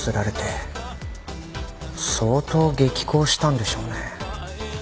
相当激高したんでしょうね。